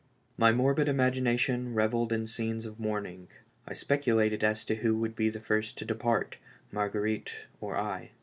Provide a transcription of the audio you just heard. My morbid imagination revelled in scenes of mourn* ing. I speculated as to who would be the first to depart, Marguerite or I.